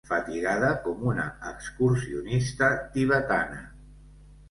Fatigada com una excursionista tibetana.